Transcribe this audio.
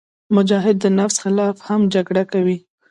مجاهد د نفس خلاف هم جګړه کوي.